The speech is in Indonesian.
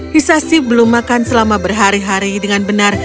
hisashi belum makan selama berhari hari dengan benar